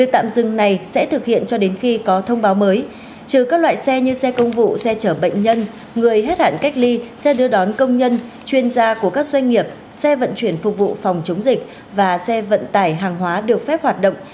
tạm dừng này sẽ thực hiện cho đến khi có thông báo mới trừ các loại xe như xe công vụ xe chở bệnh nhân người hết hạn cách ly xe đưa đón công nhân chuyên gia của các doanh nghiệp xe vận chuyển phục vụ phòng chống dịch và xe vận tải hàng hóa được phép hoạt động